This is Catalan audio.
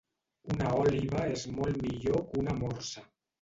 Una òliba és molt millor que una morsa